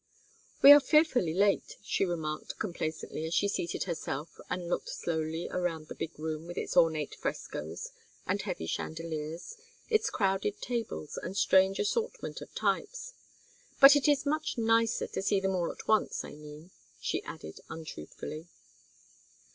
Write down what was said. "We are fearfully late," she remarked, complacently, as she seated herself and looked slowly around the big room with its ornate frescoes and heavy chandeliers, its crowded tables and strange assortment of types. "But it is much nicer to see them all at once, I mean," she added, untruthfully.